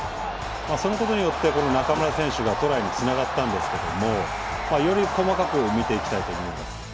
そのことによって中村選手がトライにつながったんですけどもより細かく見ていきたいと思います。